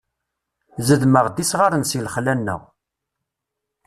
Zedmeɣ-d isɣaren si lexla-nneɣ.